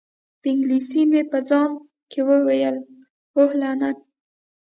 په انګلیسي مې په ځان کې وویل: اوه، لعنت!